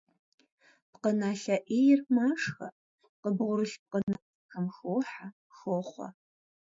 Пкъыналъэ «Ӏейр» машхэ, къыбгъурылъ пкъыналъэхэм хохьэ, хохъуэ.